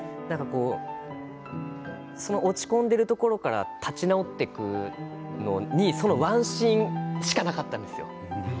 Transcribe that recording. その落ち込んでいるところから立ち直っていくのにそのワンシーンしかなかったんですよ。